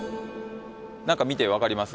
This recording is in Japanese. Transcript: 何か見て分かります？